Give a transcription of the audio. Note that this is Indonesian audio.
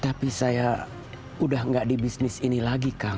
tapi saya udah gak di bisnis ini lagi kang